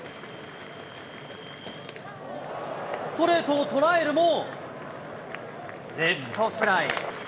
ストレートを捉えるも、レフトフライ。